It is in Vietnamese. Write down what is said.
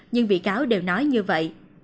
nhưng bị cáo đều nói như vậy